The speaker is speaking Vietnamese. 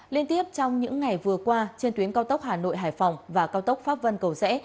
liên tiếp trong những ngày vừa qua trên tuyến cao tốc hà nội hải phòng và cao tốc pháp vân cầu rẽ